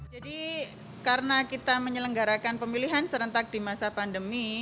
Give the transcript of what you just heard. jadi karena kita menyelenggarakan pemilihan serentak di masa pandemi